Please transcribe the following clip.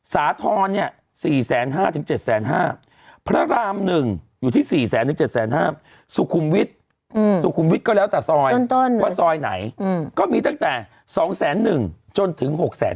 สาธรณ์เนี่ย๔๕๐๐๗๕๐๐พระราม๑อยู่ที่๔๗๕๐๐สุขุมวิทย์สุขุมวิทย์ก็แล้วแต่ซอยว่าซอยไหนก็มีตั้งแต่๒๑๐๐จนถึง๖แสน